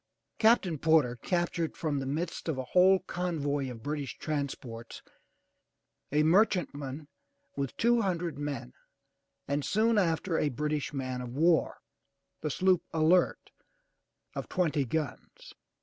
Captain Porter captured from the midst of a whole convoy of British transports a merchantman with two hundred men, and soon after a British man of war, the sloop Alert of twenty guns.